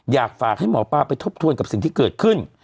อยากฝากให้หมอปลาไปทบทวนกับสิ่งที่เกิดขึ้น